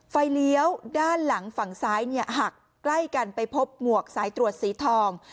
เลี้ยวด้านหลังฝั่งซ้ายหักใกล้กันไปพบหมวกสายตรวจสีทอง